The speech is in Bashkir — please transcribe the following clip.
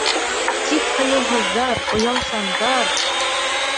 Тик ҡыйыуһыҙҙар, оялсандар.